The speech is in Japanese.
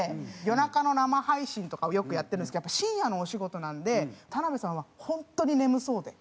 夜中の生配信とかをよくやってるんですけどやっぱ深夜のお仕事なんで田辺さんは本当に眠そうで。